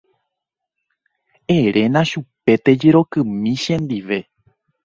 Eréna chupe tojerokymi chendive.